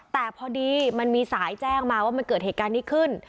แต่พอดีมันมีสายแจ้งมาว่ามันเกิดเหตุการณ์นี้ขึ้น